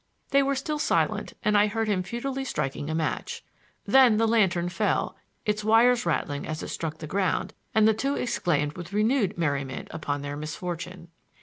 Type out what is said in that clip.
They were still silent and I heard him futilely striking a match. Then the lantern fell, its wires rattling as it struck the ground, and the two exclaimed with renewed merriment upon their misfortune.